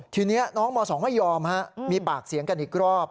ทีนี้น้องม๒ไม่ยอมมีปากเสียงกันอีกรอบ